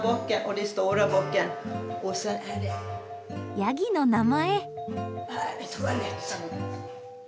ヤギの名前！